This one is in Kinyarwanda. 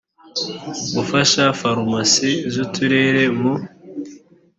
gufasha farumasi z uturere mu